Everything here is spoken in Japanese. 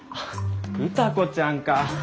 歌子ちゃんか。